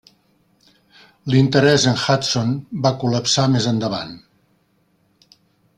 L'interès en Hudson va col·lapsar més endavant.